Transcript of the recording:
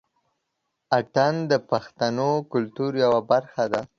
اتڼ د پښتنو کلتور يوه برخه دى.